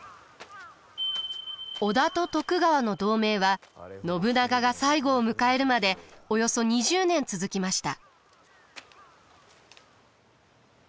織田と徳川の同盟は信長が最期を迎えるまでおよそ２０年続きました。